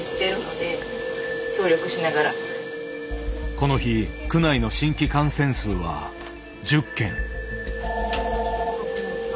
この日区内の新規感染数は１０件。